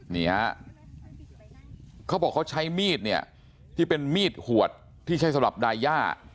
นี่ฮะเขาบอกเขาใช้มีดเนี่ยที่เป็นมีดขวดที่ใช้สำหรับดาย่า